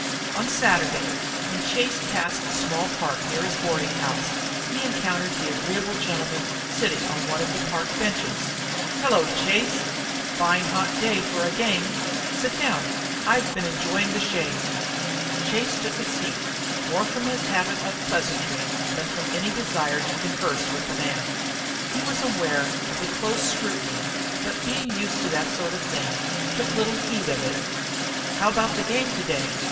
On Saturday, when Chase passed the small park near his boarding house, he encountered the agreeable gentleman sitting on one of the park benches. "Hello, Chase. Fine hot day for the game. Sit down. I've been enjoying the shade." Chase took a seat, more from his habit of pleasantry than from any desire to converse with the man. He was aware of a close scrutiny, but being used to that sort of thing took little heed of it. "How about the game today?"